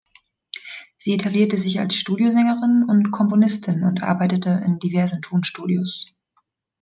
Sie etablierte sich als Studiosängerin und Komponistin und arbeitete in diversen Tonstudios.